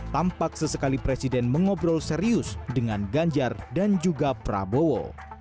tampak sesekali presiden mengobrol serius dengan ganjar dan juga prabowo